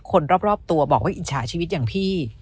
คนรอบตัวบอกว่าอิจฉาชีวิตอย่างพี่